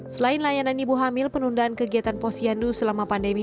selain layanan ibu hamil penundaan kegiatan posyandu selama pandemi